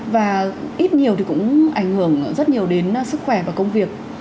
và ít nhiều thì cũng ảnh hưởng rất nhiều đến sức khỏe và công việc